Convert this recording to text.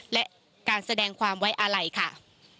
และการแสดงความไว้อาลัยค่ะ